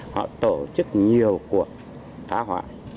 họ tổ chức nhiều cuộc phá hoại